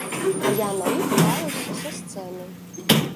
А я на іх лаяўся са сцэны.